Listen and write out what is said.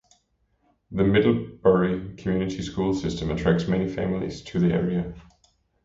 The Middlebury Community School system attracts many families to the area.